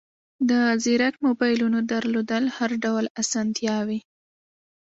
د زیرک موبایلونو درلودل هر ډول اسانتیاوې